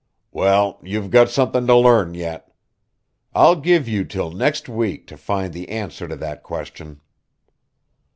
"Well, you've got something to learn yet. I'll give you till next week to find the answer to that question."